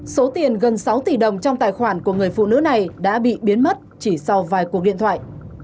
số tiền gần sáu tỷ đồng trong tài khoản của người phụ nữ này đã bị biến mất chỉ sau vài cuộc điện thoại